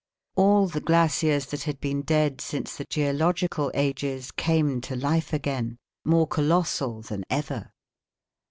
All the glaciers that had been dead since the geological ages came to life again, more colossal than ever.